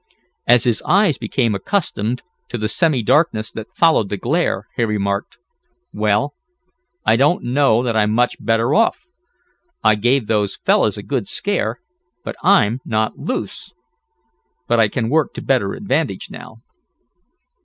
As his eyes became accustomed to the semi darkness that followed the glare, he remarked: "Well, I don't know that I'm much better off. I gave those fellows a good scare, but I'm not loose. But I can work to better advantage now."